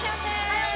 はい！